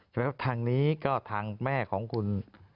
ใช่ไหมครับทางนี้ก็ทางแม่ของคุณ